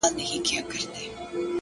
پر دې گناه خو ربه راته ثواب راکه ـ